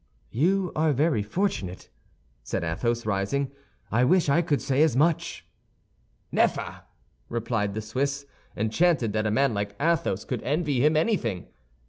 "You are very fortunate," said Athos, rising; "I wish I could say as much!" "Neffer," replied the Swiss, enchanted that a man like Athos could envy him anything.